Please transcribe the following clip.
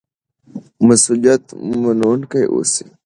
مسؤلیت منونکي اوسئ.